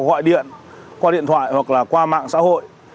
gọi điện qua điện thoại hoặc là qua mạng xã hội